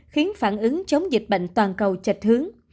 khiến phản ứng chống dịch bệnh toàn cầu chệch hướng